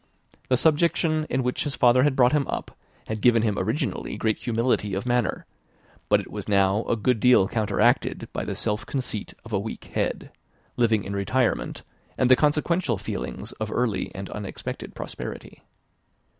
The subjection in which his father had brought him up had given him originally great humility of manner; but it was now a good deal counteracted by the self conceit of a weak head, living in retirement, and the consequential feelings of early and unexpected prosperity.